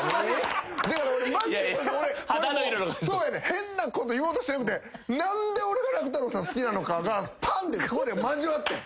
変なこと言おうとしてなくて何で俺が楽太郎さん好きなのかがパン！ってそこで交わってん。